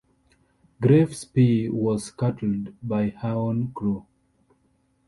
"Graf Spee" was scuttled by her own crew.